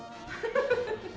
フフフフッ。